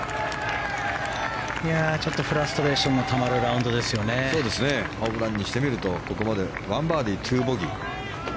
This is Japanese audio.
ちょっとフラストレーションがたまるホブランにしてみるとここまで１バーディー、２ボギー。